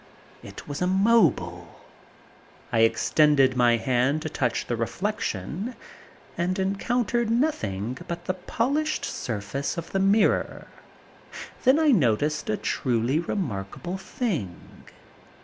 It was immobile! I extended my hand to touch the reflection and encountered nothing but the polished surface of the mirror. Then I noticed a truly remarkable thing.